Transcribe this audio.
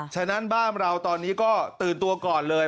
ฉะนั้นบ้านเราตอนนี้ก็ตื่นตัวก่อนเลย